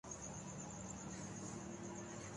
manager نے تیسرے ملازم سے پوچھا